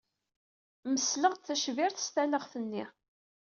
Mesleɣ-d tacbirt s talaɣt-nni.